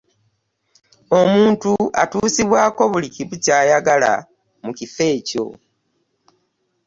omuntu atuusibwako buli kimu kyayagala mu kifo ekyo.